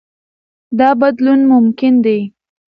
دا بدلون ممکن دی.